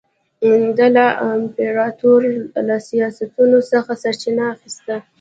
دا له امپراتور له سیاستونو څخه سرچینه اخیسته.